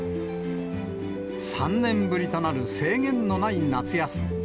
３年ぶりとなる制限のない夏休み。